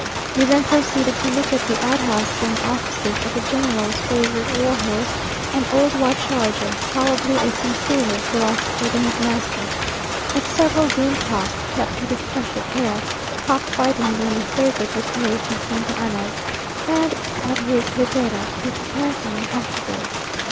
We then proceeded to look at the out houses and offices; at the General's favourite war horse, an old white charger, probably a sincerer philosopher than his master; at several game cocks, kept with especial care, cock fighting being a favourite recreation of Santa Anna's; and at his litera, which is handsome and comfortable.